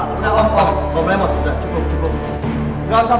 udah udah udah udah cukup cukup